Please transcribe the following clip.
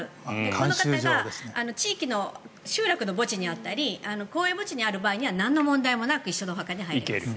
この方が地域の集落の墓地にあったり公営墓地にある場合には何の問題もなく同じお墓に入れます。